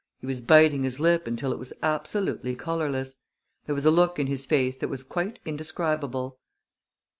He was biting his lip until it was absolutely colorless. There was a look in his face that was quite indescribable.